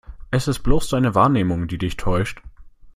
Es ist bloß deine Wahrnehmung, die dich täuscht.